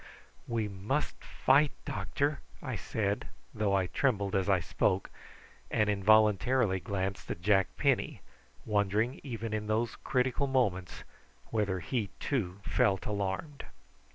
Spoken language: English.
"We must fight, doctor!" I said, though I trembled as I spoke, and involuntarily glanced at Jack Penny, wondering even in those critical moments whether he too felt alarmed.